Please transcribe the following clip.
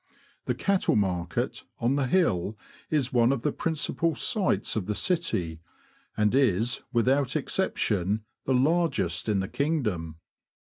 The Cattle Market, on the hill, is one of the principal sights of the city, and is, without exception, the largest in the kingdom.